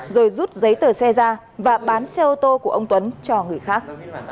rồi rút giấy tờ xe ra và bán xe ô tô của ông tuấn cho người khác